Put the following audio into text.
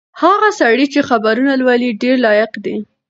هغه سړی چې خبرونه لولي ډېر لایق دی.